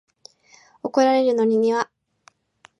昔の夢は魔法使いだった